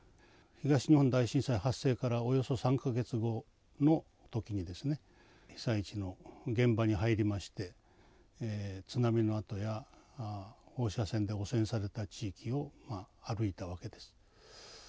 東日本大震災発生からおよそ３か月後の時にですね被災地の現場に入りまして津波の跡や放射線で汚染された地域を歩いたわけです。